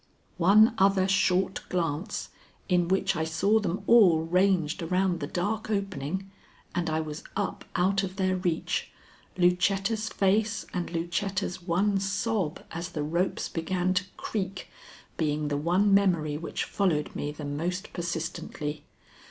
One other short glance, in which I saw them all ranged around the dark opening, and I was up out of their reach, Lucetta's face and Lucetta's one sob as the ropes began to creak, being the one memory which followed me the most persistently.